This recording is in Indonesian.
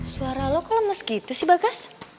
suara lo kok lemes gitu sih bagas